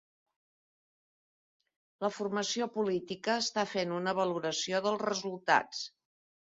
La formació política està fent una valoració dels resultats